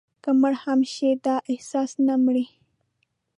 که مړي هم شي، دا احساس نه مري»